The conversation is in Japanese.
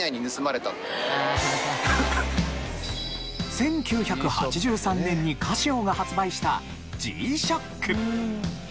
１９８３年にカシオが発売したＧ−ＳＨＯＣＫ。